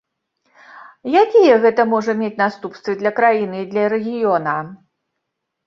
Якія гэта можа мець наступствы для краіны і для рэгіёна?